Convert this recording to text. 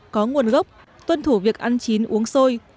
các thực phẩm tươi có nguồn gốc tuân thủ việc ăn chín uống sôi